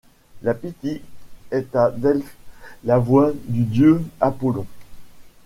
La Pythie est à Delphes la voix du dieu Apollon.